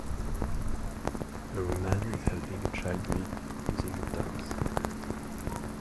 A woman is helping a child build using toys